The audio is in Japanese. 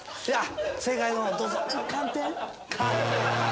正解の方どうぞ。